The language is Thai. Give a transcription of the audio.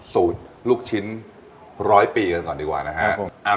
สูตรลูกชิ้น๑๐๐ปีก่อนดีกว่านะครับ